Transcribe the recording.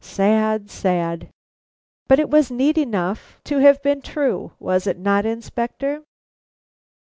Sad! sad! But it was neat enough to have been true, was it not, Inspector?"